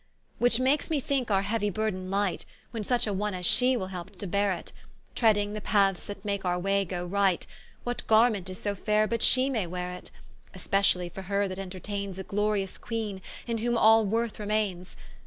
Which makes me thinke our heauy burden light, When such a one as she will help to beare it: Treading the paths that make our way go right, What garment is so faire but she may weare it; Especially for her that entertaines A Glorious Queene, in whome all woorth remains.